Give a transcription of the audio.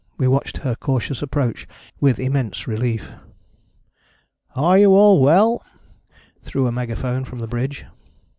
We watched her cautious approach with immense relief. "Are you all well," through a megaphone from the bridge.